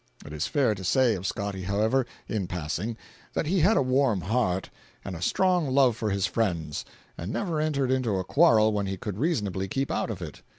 It is fair to say of Scotty, however, in passing, that he had a warm heart, and a strong love for his friends, and never entered into a quarrel when he could reasonably keep out of it.